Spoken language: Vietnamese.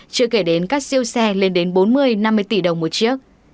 chưa kể đến các siêu xe lên đến bốn mươi năm mươi tỷ đồng một chiếc